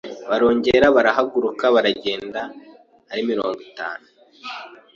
Barongera barahaguruka, baragenda, ari mirongo itanu